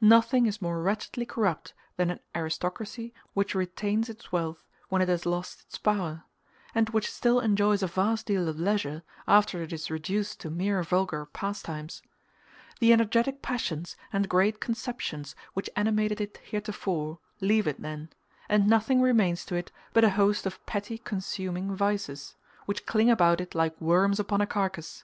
Nothing is more wretchedly corrupt than an aristocracy which retains its wealth when it has lost its power, and which still enjoys a vast deal of leisure after it is reduced to mere vulgar pastimes. The energetic passions and great conceptions which animated it heretofore, leave it then; and nothing remains to it but a host of petty consuming vices, which cling about it like worms upon a carcass.